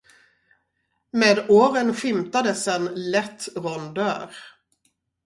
Med åren skymtades en lätt rondör.